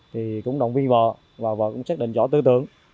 thì cũng động viên vợ và vợ cũng xác định rõ tư tưởng